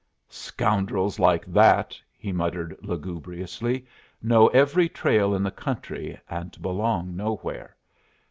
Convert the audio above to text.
"Scoundrels like that," he muttered, lugubriously, "know every trail in the country, and belong nowhere.